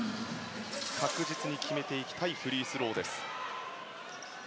確実に決めていきたいフリースローです。